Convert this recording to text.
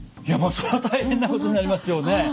いやそりゃ大変なことになりますよね。